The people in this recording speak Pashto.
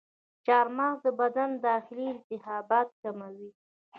چارمغز د بدن داخلي التهابات کموي.